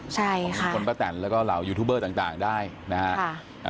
ใช่ค่ะคนป้าแต่นแล้วก็เหล่ายูทูบเบอร์ต่างได้นะฮะ